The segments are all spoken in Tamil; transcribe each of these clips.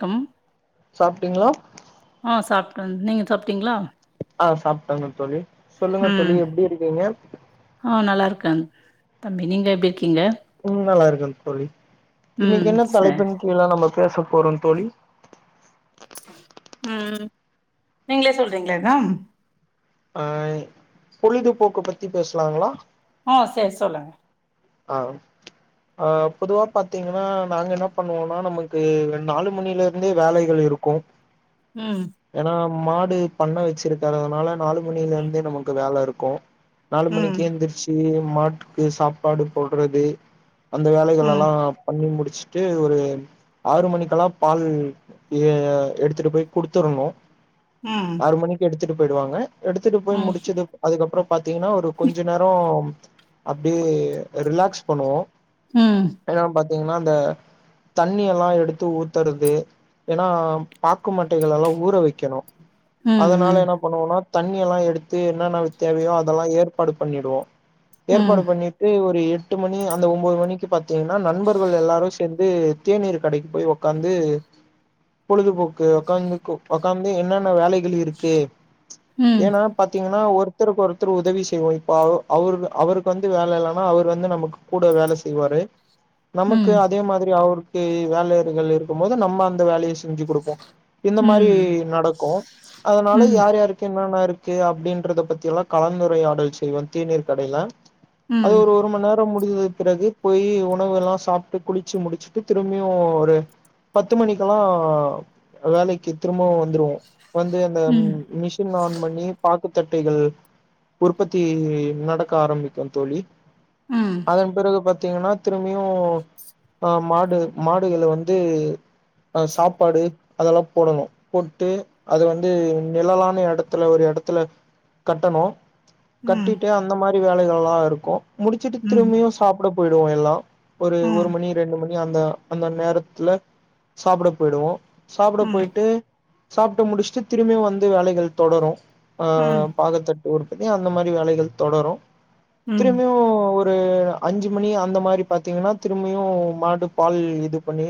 கம் சாப்பிட்டீங்களா ஆஹ் சாப்ட்டேன் நீங்க சாப்பிட்டீங்களா ஆஹ் சாப்ட்டங்கு தோலி உம் ஆஹ் நல்லா இருக்கன் தம்பி நீங்க எப்டி இருக்கீங்க ம் நல்லா இருக்க தோலி ம் இன்னிக்கு என்ன சரி தலைப்பின் கீல நம்ம பேசபோறோ தோலி உம் நீங்களே சொல்றீங்களா எதும் அஹ் பொழுதுபோக்கு பத்தி பேசலாங்களா ஆஹ் செரி சொல்லுங்க ஆஹ் அஹ் பொதுவா பாத்தீங்கன்னா நாங்க என்ன பண்ணுவோம்னா நமக்கு நாலு மணில இருந்தே வேலைகள் இருக்கு உம் ஏன்னா மாடு பண்ணை வச்சிருக்கதுனால நாலு மணில இருந்தே நமக்கு வேல இருக்கு நாலு ம் மணிக்கே எந்திருச்சு மாட்டுக்கு சாப் பாடு போடுறது அந்த வேலைகள் ம் எல்லா பண்ணி முடிச் ச்சுட்டு ஒரு ஆறு மணிக்கெல்லா பால் எ எடுத்துட்டு போய் குடுத்துருணு ம் ஆறு மணிக்கு எடுத் துட்டு போய்டுவாங்க எடுத்துட்டு போய் ம் முடிச்சுது அதுக்கப்றோ பாத்தீங்கன்னா ஒரு கொஞ்ச நேரோ அப்டியே அ ரிலாக்ஸ் பண்ணுவோ ம் தீங்கன்னா அந்த தண்ணி எல்லா எடுத்து ஊத்துறது ஏனா பாக்கு மட்டைகளல்லா ஊற வைக்கணு அதனால ம் என்ன பண்ணுவோனா தண்ணி எல்லா எடுத்து என்னென்ன தேவையோ அதெல்லா ஏற்பாடு பண்ணிடுவோ ம் ஏற்பாடு பண்ணி ட்டு ஒரு எட்டு மணி அந்த ஒம்போது மணிக்கு பாத்தீங்கன்னா நண்பர்கள் எல்லாரு சேந்து தேநீர் கடைக்கு போய் ஒக்காந்து பொழுதுபோக்கு ஒக்காந்து ஒக்காந்து என்னென்ன வேலைகள் இருக்கு ம் ஏன்னா பாத்தீங்கன்னா ஒரு த்தருக்கு ஒருத்தர் உதவி செய்வோ இப்ப அவ அவரு அவருக்கு வந்து வேல இல்லா ம அவர் வந்து நமக்கு கூட வேல செய்வாரு ம் நமக்கு அதே மாதிரி அவரு க்கு வேலையர்கள் இருக்கும் போது நம்ம அந்த வேலைய செஞ்சு குடுப்போ இந்த மாரி ம் நடக்கு அதனால ம் யார் யாருக்கு என்னன்னா இரு க்கு அப்டின்றத பத்தி எல்லா கலந்துரையாடல் செய்வோ தேநீர் கடைல ம் அது ஒரு ஒரு மணி நேரோ முடி ஞ்சதுக்கு பிறகு போயி உணவு எல்லா சாப்ட்டு குளிச்சு முடிச்சுட்டு திரும்பியு ஒரு பத்து மணிக்கெல்லா வேலைக்கு திரும்பவு வந்துருவோ வந்து அந்த ம் மிஷின் ஆன் பண்ணி பா க்குத் தட்டுகள் உற்பத்தி நடக்க ஆரம்பிக்கு தோழி ம் அதன் பிறகு பாத் த்தீங்கனா திரும்பியு ஆ மாடு மாடுகள் வந்து அ சாப்பாடு அதெல்லா போடணு போட்டு அது வந்து நிழலான எடத்துல ஒரு எடத்துல கட்டனூ ம் கட்டிட்டு அந்த மா ரி வேலைகள்லா இருக்கு முடிச்சுட்டு ம் திரும்பியு சாப்புட போயிடுவோ எல்லா ஒரு ஒரு மணி ரெண்டு ம ணி அந்த அந்த நேரத்துல சாப்புட போயிடுவோ சாப்புட ம் போயிட்டு சாப்ட்டு முடுச்சுட்டு திரும்பியு வந்து வேலைகள் தொடரு ஆ பாகத்த [unintelligible] அந்த மாரி வேலைகள் தொடரு ம் திரும்பியு ஒ ரு அஞ்சு மணி அந்த மாரி பாத்தீங்கனா திரும்பியு மாடு பால் இது பண்ணி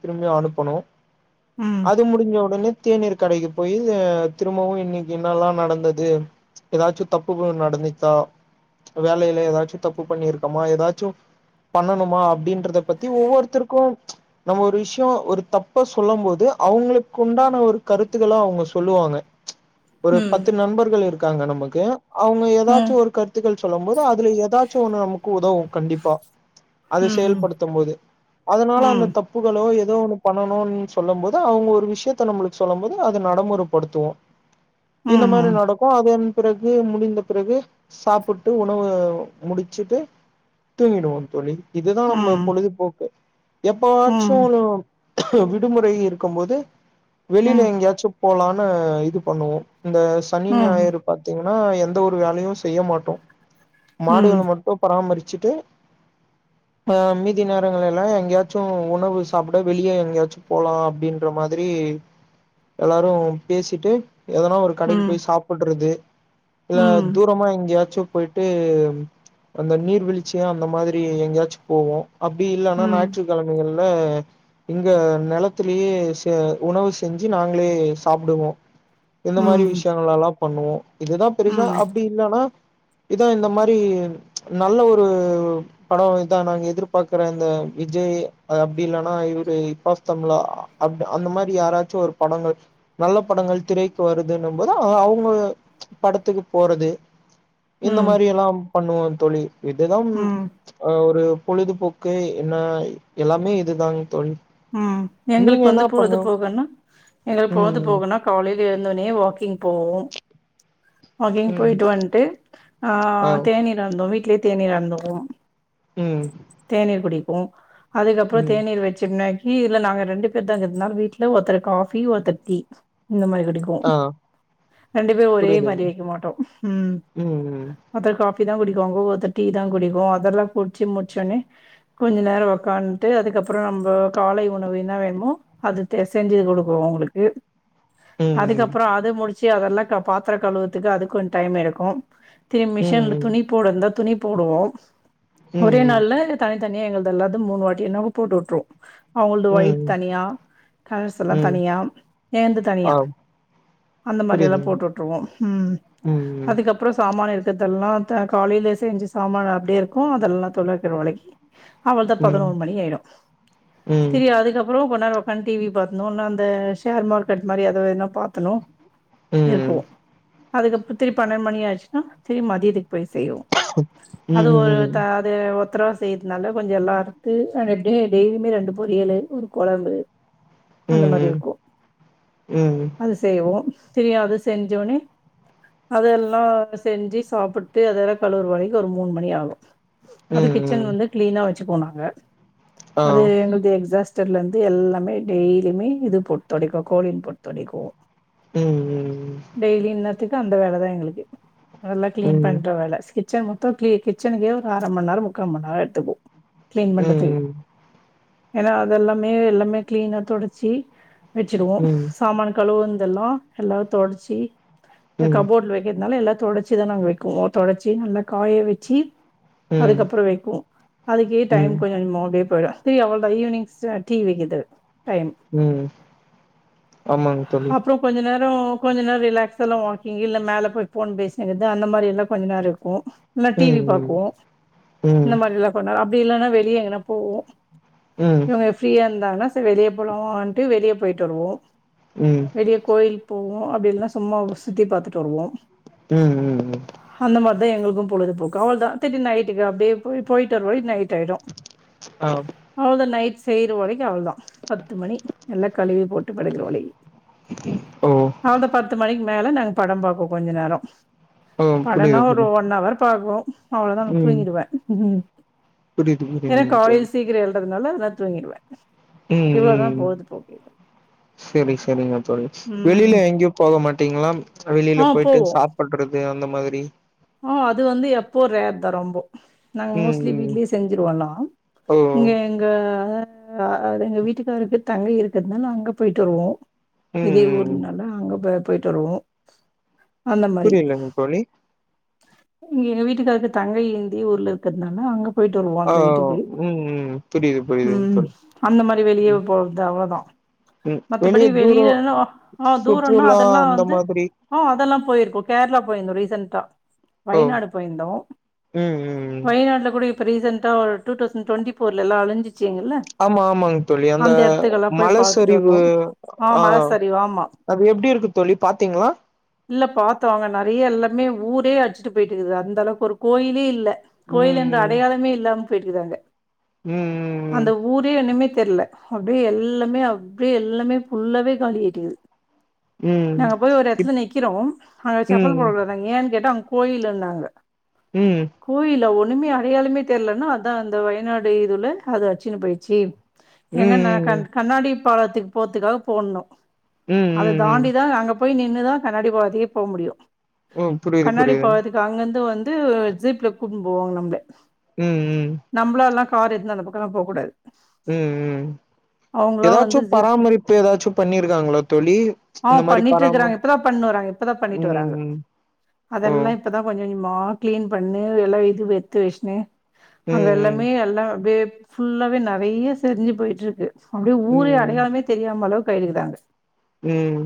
திரும்பியு அனுப்பணு அது முடிஞ்ச உடனே தேநீீர் கடைக்கு போய் திரும்பவு இன்னைக்கு என்னல்லா நடந்தது எதாச்சு தப்பு நடந்துச்சா வேலைல எதாச்சு தப்பு பண்ணிருக்கமா எதாச்சு பண்ணணுமா அப்டின்றத பத்தி ஒவ்வொருத்தருக்கு நம்ம ஒரு விஷ்யொ ஒரு தப்ப சொல்லும் போது அவுங்களுக்குண்டான ஒரு கருத்துகள அவுங்க சொல்லுவாங்க ஒரு பத்து ம் நண்பர்கள் இருக் க்காங்க நமக்கு அவுங்க ம் ம் எதாச்சு ம் ஒரு கருத்துகள் சொல்லம்போ து அதுல எதாச்சு ஒண்ணு நமக்கு உதவு கண்டிப்பா அது செயல்படுத்தும் போது ம் ம் ம் ம் அதனால அந்த ம் தப்புகளோ எ எதோ ஒண்ணு பண்ணணுன் சொல்லும் போது அவுங்க ஒரு விஷ்யத்த நம்மளுக்கு சொல்லும் போது அத நடமுறப்படுத்துவோ இந்த மாரி நடக்கோ அது பிறகு முடிந்த பிறகு சாப்புட் டு உணவு முடிச்சுட்டு தூங்கிடுவோ தோழி இதுதா நம்ம ம் பொழுதுபோக்கு ம் ம் எப்பவாச்சுலு விடுமுறை இருக்கம் போது வெளில ம் எங்கயாச்சு போலான்னு இது பண்ணுவொ இந்த சனி ம், ஞாயிறு பாத்தீங்க னா எந்த ஒரு வேலையு செய்ய மாட்டோ மாடுகள ம், மட்டு பராமரி ச்சுட்டு அ மீதி நேரங்கள எல்லா எங்கயாச்சு உணவு சாப்புட வெளிய எங்கயாச்சு போலா அப்டின்ற மாதிரி எல்லாரு பேசிட்டு எதனா ஒரு கடைக்கு ம், போய் சாப்பிடுறது இல்ல ம், தூரமா இங்கயா போயிட்டு அந்த நீர்வீழ்ச்சியம் அந்த மாதிரி எங்கயாச்சும் போவோம் அப்படி ம், இல்லன்னா ம், ஞாயிற்றுக்கிழமைகள் இங்க இங்க நிலத்திலேயே ச உணவு செஞ்சு நாங்களே சாப்பிடுவோம் இந்த மாதிரி ம், விஷயங்கள் எல்லாம் பண்ணுவோம் இதுதான் பெருசா ம், அப்டி இல்லைன்னா இதான் இந்த மாரி நல்ல ஒரு படம் இதான் நாங்க எதிர்பார்க்கற இந்த விஜய் அப்டி இல்லன்னா இவுரு இப்பாப் தமிழலா அ அந்த மாரி யாராச்சோ ஒரு படங்கள் நல்ல படங்கள் திரைக்கு வருதுன்னு போது அவங்க படத்துக்கு போறது இந்த மாரி எல்லாம் பண்ணுவோம் தோழி இதுதான் ம், ஹ ஒரு பொழுதுபோக்கு என்ன எல்லாமே இதுதான் தோழி உம் நீங்க எங்களுக்கு வந்து என்ன பொழுது பண்ணு போகனா எங்களுக்கு பொழுது ம் போகனா காலையில இருந்தோனே வாக்கிங் போவோம் வாக்கிங் ம் போயிட்டு வந்துட்டு ஆ ஆஹ் தேனீர் அருந்துவோம் வீட்லயே தேனீர் அருந்துவோம் ம் தேநீர் குடி உம் அதுக்கப்பறம் ம் தேநீர் வச்சுனே டீ இல்ல நாங்க ரெண்டு பேர் தாங்க இருக்குறதுனால வீட்ல ஒருத்தர் காஃபி ஒருத்தர் டீ இந்த மாரி பிடிக்கும் ஆ ரெண்டு பேரும் ஒரே புரியுது மாதிரி வைக்க மாட்டோம் உம் ம் ஒருதர் கஃபி ப்பி தான் குடிகோ வங்கத்த டீ தான் குடிக்கும் அதெல்லாம் குடிச்சு முடிச்சோன்னே கொஞ்ச நேரம் உக்காந்துட்டு அதுக்கப்பறம் நம்ம காலை உணவுன்னா வேணுமோ அது செஞ்சி குடுக்குவோம் அவங்களுக்கு ம் ம் அதுக்கப்பறம் அத முடிச் ச்ச அதெல்லாம் பாத்திர கழுவுதுக்கு அதுக்கு கொஞ்ச டைம் எடுக்கும் திரு மிஷன்ல ம் துணி போடுருந்த துணி போடுவோம் ஒரே ம் நாள்ல தனி அதனே எங்கள் எல்லாவது மூணு வாட்டினாவது போட்டு விட்ருவோம் அவங்களது ஒயிட் ம் ம் ம் தனியா கலர்ஸ் எல்லா ம் தனியா ஏந்து தனியா ஆ அந்த மாதிரியெல்லாம் புரியுதுங்க போட்டு விட்ருவோம் உம் ம் அதுக்கப்புறம் சாமான இருக் இதெல்லாம் காலையில செஞ்சு சாமான அப்டியே இருக்கும் அதெல்லாம் தொலைக்கிறுவன் விளக்கி அவ்ளோ தான் ம் பதினொரு மணி ஆயிடும் ம் தெரி அதுக்கப்புறம் கொஞ்ச நேரம் ஒக்காந்து டிவி பாக்கணும் அந்த ஷேர் மார்கெட் மாதிரி ஏதாவது பாத்தணும் ம் ம் இருக்கும் அதுக்கப்புறம் திருப்பி பன்னெண்டு மணி ஆயிச்சுன்னா திருப்பி மதியதுக்கு போய் செய்வோம் ம் அது ஒரு ம் ம் தாது பத்திரா செய்யதுனால கொஞ்சம் எல்லாம் அறுத்து அது எப்டி டெயிலி ரெண்டு பொரியல் ஒரு கொழம்பு அந்த மாதிரி ம் இருக்கும் ம் அது செய்வோம் திரியாது அது செஞ்சோனே அதெல்லாம் செஞ்சு சாப்பிட்டு அதெல்ல கலூற வரைக்கு ஒரு மூணு மணி ஆகும் அது ம் கிச்சன் வந்து கிளீனா வச்ச வச்சு போனாக ஆ அது எங்களது எக் ஜாஸ் தெர்ல இருந்து எல்லாமே டெய்லியுமே இது போட்டு துடிக்கும் கோழின் போட்டு துடைக்குவோ ம் ம் டெய்லி என்ன அந்த வேலைதான் எங்களுக்கு நல்லா கிளீன் ம் பண்ற வேலை கிச்சன் மொத்தம் கிச்சனுக்கே ஒரு அரை மணி நேரம் முக்கால் மணி நேரம் எடுத்துப்போம் கிளீன் ம் பண்றதுக்கு ம் ஏன்னா அதெல்லாமே எல்லாமே கிளீனா தொடச்சு வச்சுடுவோம் ம் சாமான் கழுவ வந்து எல்லாம் எல்லாம் தொடச்சி ம் கபோர்ட் வைக்கிறதுனால எல்லாத் தொடுச்சிதான் நாங்க வைக்குவோம் தொடச்சி நல்லா காய வச்சு அதுக்கப்புறம் வைப்போம் அதுக்கே டைம் ம் போயிடு மூடு போய்டு தி ஈவினி்ங்ஸ்லா டீ விக்குது உம் ஆமாங்க தோழி கொஞ்ச அப்புறம் கொஞ்ச நேர ரிலாக்ஸ் எல்லாம் வாக்கிங் இல்ல மேல போய் போன் பேசுங்கினு இருக்குறது அந்த மாதிரி எல்லாம் கொஞ்ச நேரம் இருக்கும் டிவி ம் ம் பார்க்குவோம் இந்த ம் மாதிரி எல்லாம் போனா அப்டி இல்லைனா வெளிய எங்கனப் போவோம் ம் இவங்க ஃப்ரீயா இருந்தாலு சரி வெளிய போலாவான்ட்டு வெளியே போயிட்டு வருவோம் ம் ம் வெளிய கோயில் போவோம் அப்படி இல்லனா சும்மா சுற்றி பார்த்துட்டு வருவோம் உம் உம் உம் அதான் எங்களுக்கும் பொழுதுபோக்கு அவள தான் செரி நைட்டுக்கு அப்படியே போயிட்டு வர நைட் ஆயிடும் ஆ அவ்ளோதான் நைட் செய்ற வரைக்கு அவளோதான் பத்து மணி எல்லாம் கழிவி போட்டு படுகிற வழி ஓ அவளோதான் பத்து மணிக்கு மேல நாங்க படம் பாப்போம் கொஞ்ச நேரம் ஆ படனா புரியுது ஒரு புரியுது ஒன் அவர் போகும் அவளோதான் நான் ம் தூங்கிடுவேன் உம் புரியுது புரியுது காலையில் சீக்கிரம் எழு ந்துக்குறனால நான் தூங்கிடுவேன் உம் உம் சரி சரிங்க தோழி ம் வெளியில எங்கேயும் போக மாட்டீங்களா ஆ வெளியில போயிட்டு போவோ சாப்பட்றது அந்த மாதிரி ஆ அது வந்து எப்போ ரேர் தான் ரொம்போ நாங்க ம் மோஸ்லி ம் வீட்லயே செஞ்சிருவோம்னா ஓ இங்க எங்க அஹ அது எங்க வீட்டுக்காருக்கு தங்கை இருக்குறதுனால அங்க போயிட்டு வருவோம் ம் இதே ம் ஊர்னால அங்க போ போய்ட்டு வருவோம் புரியலங்க தோழி இங்க எங்க வீட்டுக்காருக்கு தங்கை இதே ஊர்ல இருக்கிறதுனால அங்க போயிட்டு வருவோம் ஆ அந்த வீட்டுக்கு ம் ம் புரியுது புரியுதுங்க உம் தோழி அந்த மாரி வெளியே ம் போறது அவ்வளோதான் ம். வெளிய மத்தபடி தூரோ வெளியில அஹ தூரம்னா சுற்றுலா அதெல்லாம் அந்த வந்து மாதிரி அஹ அதெல்லாம் போயிருக்கோம் கேரளா போயிருந்தோம் ரீசென்டா ஓ வயநாடு போயிருந்தோம் ம் ம் வயநாட்டுல கூட இப் இப்ப ரீசன்ண்டா ஒரு டூதவுசன் டுவண்டிடபோர்லல்லாம் அழிஞ்சி ஆமா ஆமாங்க தோழி அந்த எடத்துக்கெல்லா போய் பாத்துட்டு மலசரிவு வந்தோ ஆ மல ஆஹ சரிவு ஆமா அது எப்படி இருக்கு தோழி பாத்தீங்களா இல்ல பார்த்தோம் அங்க நிறைய எல்லாமே ஊரே அடிச்சிட்டு போயிட்டு இருக்குது அந்த அளவுக்கு ஒரு கோயிலே இல்ல கோயில் என்று ம் அடையாளமே இல்லாம போயிட்டுறாங்க ம் ம் ம் அந்த ஊரே நிமித் தெரில அப்படியே எல்லாமே அப்படியே எல்லாமே புல்லாவே காலி ஆகிட்டுக்குது ம் நாங்க போய் ஒரு இப் இடத்துல நிக்கிறோம் அங்க ம் செப்பல் போட கூடதான் ஏன்னு கேட்டா அங்க கோயில இருந்தாங்க ம் கோயில போ ஒண்ணுமே அடையாளமே தெர்லன்னா அதான் அந்த வயநாடு இதுல அது அச்சுனு போயிடுச்சு ம் எங்கன்ன ம் க கண்ணாடி பழத்துக்கு போதுக்காக போடணும் ம் அத ம் ம் தாண்டிதான் நாங்க போய் நின்னுதான் கண்ணாடி பாழத்துக்கே போ முடியும் ம் புரியுது புரியுது அங்கருந்து வந்து ஜீப்ல கூப்பிட்டு போவாங்க நம்ம உம் உம் சார் எதுந்த அந்த பக்கலாம் போககூடாது உம் உம் வந்து ஏதாச்சும் ஜீப்ல பராமரிப்பு ஏதாச்சும் பண்ணிருக்காங்களோ தோழி ஆ இந்த மாதிரி பண்ணிட்டு பராம இருக்கறாங்க இப்பதா பண்ணு வராங்க இப்பதா பண்ணிட்டு உம் ஓ கொஞ்சம் கொஞ்சமா கிளீன் பண்ணு வெல இது எத்து வச்சுன்னு அங்க ம் ம் எல்லாமே எல்லாம் அப்படியே ஃபுல்லாவே நெறைய செரிஞ்சு போயிட்டு இருக்கு அப்படியே ஊரு அடையாளமே தெரியாம அளவு கயிதாங்க உம்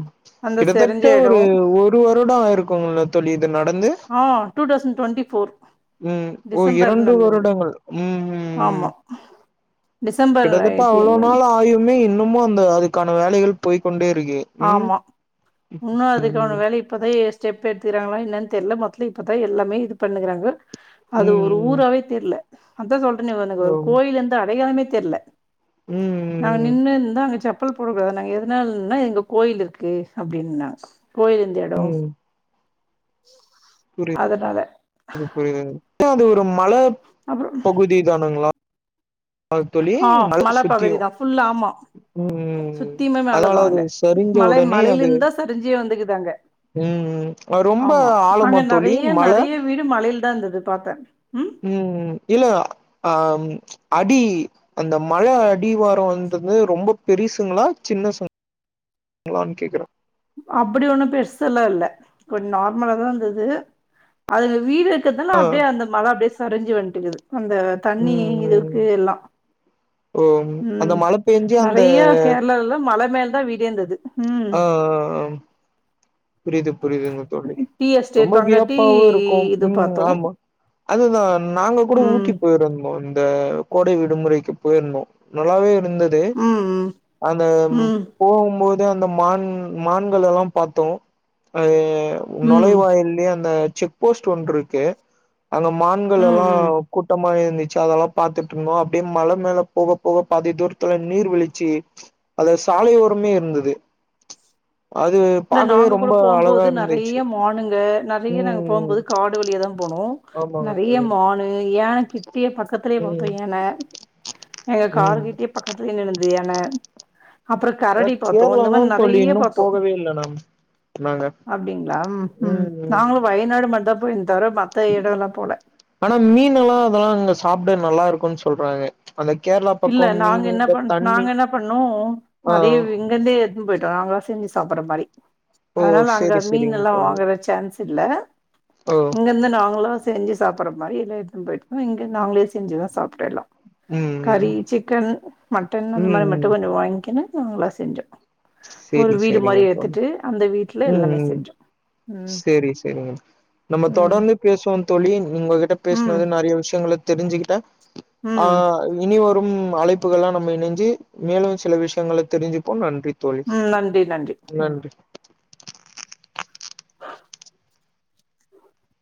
கிட்டத்தட்ட எடோ ஒரு ஒரு வருடம் ஆயிருக்குங்களா தோழி இது நடந்து ஆ டூ தௌசண்ட டுவெண்டி ஃபோர் உம் ஓ டிசம்பர் இரண்டு நடந்தது வருடங்கள் உம் உம் உம் ஆமா டிசம்பர் கிட்டத்தட்ட ஆயிரத்தி அவ்வளவு நாள் ஆயுமே இன்னுமும் அந்த அதுக்கான வேலைகள் போய்கொண்டே இருக்கு ம் ஆமா இன்னும் அதுக்கான ம் வேலை இப்பதா ஸ்டெப் எடுத்துக்கிறாங்களா என்னன்னு தெரியல மொத்ததில் இப்போ தான் எல்லாம இது பண்ணுறாங்க அது ஒரு ம் ம் ஊராவே தெரில அதான் சொல் ஒரு ஓ கோயில இருந்து அடையாளமே தெரில நாங்க ம் நின்னுருந்தா அங்க ச செப்பல் போட கூடாது நாங்க எதுனாலநா இங்க கோயில் இருக்கு அப்படின்னாங்க கோயில் இருந்த எடம் [unintelligible] புரியு புரியுது அது ஒரு மல பகுதி தானங்களா ஆஹ் மல சுத்தியு பாகுதிதான் ஃபுல்ல ஆம ம் சுத்தியுமே மல அதனால தான் அது அங்க சரிஞ்ச மல மலையில இருந்தா செரிஞ்சே வந்துக்குது க்காங்க ம்ம் ரொம்ப ஆழமா தோலி மல தான் இருந்தது பாக்க உம் இல்ல அஹ அடி அந்த மழை அடிவாரம் வந்தது ரொம்ப பெருசுங்களா சின்னசுகள கேக்குறேன் அப்படி ஒண்ணும் பெருசலான் இல்ல கொஞ்சம் நார்மலா தான் இருந்தது அதுல வீடு இக்குதான ஆ அப்படியே அந்த மல அப்டியே சரிஞ்சி வந்து [unintelligible] அந்த தண்ணி ம் ம் இதுக்கு எல்லாம் ஓ அந்த மழ பெஞ்சு அந்த கேரளால மல மேல தான் விடே இருந்தது ம் ஆஹ் ஆஹ் ஆஹ புரியுது புரியுதுன்னுக தோழி டீ ரொம்ப எஸ்டேட் அங்க டீ வியப்பாவும் இருக்கும் இது உம் பாத்தோ ஆமா அதுதான் நாங்க கூட ம் ஊட்டி போயிருந்தோம் இந்த கோடை விடுமுறைக்கு போயிருந்தோம் நல்லாவே இருந்தது ம் அந்த ம் ம் போகும்போது அந்த அந்த மான் மான்கள் எல்லாம் பார்த்தோம் ஆய் யா ம் நுழைவாயிலயே அந்த செக் போஸ்ட் ஒன்று இருக்கு அங்க மான்கள் ம் எல்லாம் ம் கூட்டமா இருந்து அதெல்லாம் பார்த்துட்டு இருந்தோம் அப்படியே மல மேல போக போக பாதி தூரத்துல நீர் விழிச்சு அது சாலையோரமே இருந்தது அது இல்ல பாக் நாங்க கூட போம்போது நிறைய மானுங்க நிறைய நாங்க ம் போம்போது காடு வழிய தான் போனோம் ஆமாங்க நிறைய தோழி மானு ஏன் கிட்டியே பக்கத்திலயே ம் பார்த்தோம் யானா எங்க கரு ம் கிட்டிய பக்கத்துய நின்னு யானா அப்புறம் அதா கரடி பாத்தோம் கேரளா இந்த தா மாரி தோழி நிறைய இன்னு பாத்தோம் போகவே இல்ல நாம நாங்க அப்படிங்களா உம் உம் ம் ம் நாங்களு வயநாடு மட்டு்தான் போய் ஆனா மீன்லாம் அதெல்லா அங்க சாப்பிட நல்லா இருக்கு இருக்கோன்னு சொல்றாங்க அந்த கேரளா இல்ல பக்கோ நாங்க மீனு என்ன இந்த பண் தண்ணி நாங்க என்ன பண்ணோ ஆ அதே இங்க இருந்தே எடுத்துனுபோய் நாங்கள செஞ்சு சாப்பற மாரி ஓ அதனால அங்க செரி மீன் செரிங்க எல்லாம் தோழி வாங்குற சான்ஸ் இல்ல ஓ இங்க இருந்து நாங்கலோ செஞ்சு சாப்பிடற மாரி எதுந்து போயிருக்கோ இங்க நாங்களே செஞ்சுதான் சாப்பிடலாம் ம் ம் கறி சிக்கன் மட்டன் அந்த ம் மாரி மட்டும் கொஞ்சம் வாங்கிக்கணு நாங்களா செஞ்சோ ஒரு சேரி வீடு சேரிங்க மாரி உம் எடுத்துட்டு அந்த வீட்ல எல்லாமே உம் செஞ்சோ ம் சேரி சேரிங்க நம்ம ம் தொடர்ந்து பேசுவோம் தோழி உங்ககிட்ட ம் பேசினது நிறைய விஷயங்க தெரிஞ்சுகிட்டா ம் ஆஹ் இனி அழைப்புகள்லாம் நம்ம இணைஞ்சு மேலும் சில விஷயங்களை தெரிஞ்சுப்போம் நன்றி தோழி உம் நன்றி நன்றி உம் நன்றி